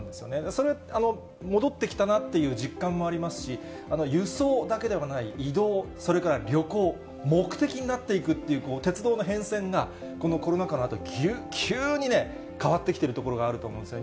それ、戻ってきたなっていう実感もありますし、輸送だけではない移動、それから旅行、目的になっていくっていう、鉄道の変遷が、このコロナ禍のあと、急にね、変わってきてるところがあると思うんですね。